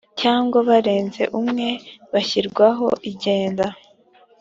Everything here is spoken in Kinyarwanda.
cyangwa barenze umwe bashyirwaho ingenza